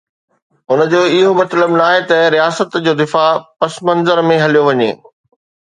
ان جو مطلب اهو ناهي ته رياست جو دفاع پس منظر ۾ هليو وڃي.